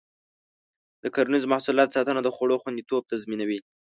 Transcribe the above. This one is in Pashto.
د کرنیزو محصولاتو ساتنه د خوړو خوندیتوب تضمینوي.